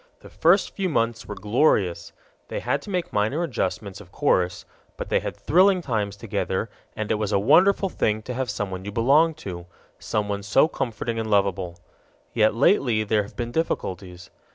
The first few months were glorious: they had to make minor adjustments, of course, but they had thrilling times together, and it was a wonderful thing to have someone you belonged to, someone so comforting and lovable. Yet lately there have been difficulties.